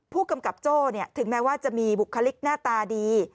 ผู้กำกับโจ้ถึงแม้ว่าจะมีบุคลิกหน้าตาดี